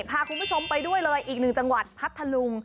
พาคุณผู้ชมไปด้วยเลยอีกหนึ่งจังหวัดพัทธลุง